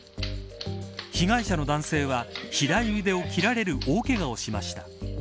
被害者の男性は左腕を切られる大けがをしました。